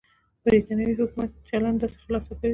برېټانوي حکومت چلند داسې خلاصه کوي.